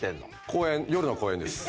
公園夜の公園です。